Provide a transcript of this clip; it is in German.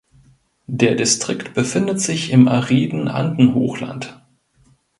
Der Distrikt befindet sich im ariden Andenhochland.